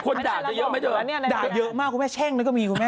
ด่าเธอเยอะไหมเธอด่าเยอะมากคุณแม่แช่งนั้นก็มีคุณแม่